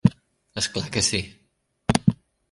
És clar que sí.